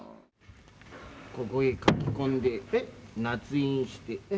ここへ書き込んでなつ印して。